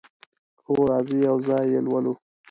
هو، راځئ یو ځای یی لولو